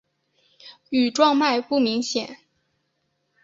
羽状脉不明显。